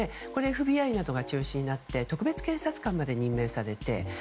ＦＢＩなどが中心となって特別検察官まで任命されて。